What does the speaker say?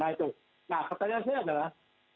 nah itu nah pertanyaan saya adalah